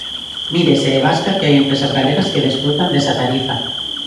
Mire se é vasca que hai empresas galegas que desfrutan desa tarifa.